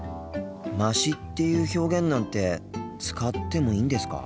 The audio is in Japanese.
「まし」っていう表現なんて使ってもいいんですか？